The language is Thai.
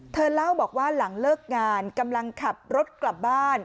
เธอเล่าบอกว่าหลังเลิกงานกำลังขับรถกลับบ้าน